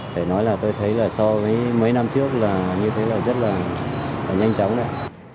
phải nói là tôi thấy là so với mấy năm trước là như thế là rất là nhanh chóng